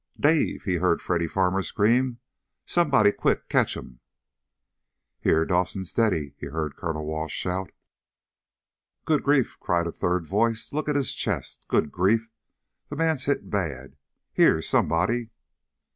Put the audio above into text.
"Dave!" he heard Freddy Farmer scream. "Somebody quick catch him!" "Here, Dawson, steady!" he heard Colonel Welsh shout. "Good grief!" cried a third voice. "Look at his chest! Good grief. The man's hit bad. Here, somebody...!"